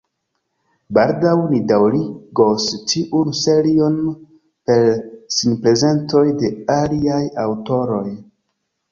Baldaŭ ni daŭrigos tiun serion per sinprezentoj de aliaj aŭtoroj.